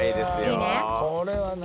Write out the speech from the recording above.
これはね